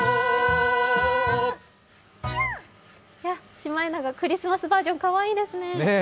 シマエナガクリスマスバージョン、かわいいですね。